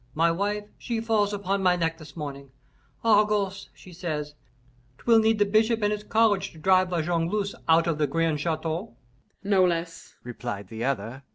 My wife, she falls upon my neck this morning. 'Argose,' she says, ''twill need the bishop and his college to drive La Jongleuse out of the grand chateau.'" "No less," replied the other.